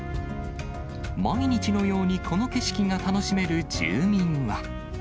毎日のように、この景色が楽しめる住民は。